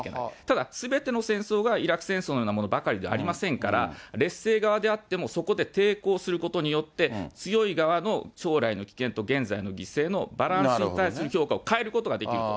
ただすべての戦争がイラク戦争のようなものではありませんが、劣勢側であっても、そこで抵抗することによって、強い側の将来の危険と現在の犠牲のバランスに対する評価を変えることができると。